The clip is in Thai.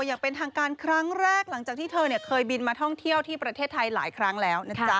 อย่างเป็นทางการครั้งแรกหลังจากที่เธอเคยบินมาท่องเที่ยวที่ประเทศไทยหลายครั้งแล้วนะจ๊ะ